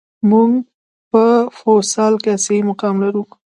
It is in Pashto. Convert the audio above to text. موږ په فوسال کې آسیايي مقام لرو.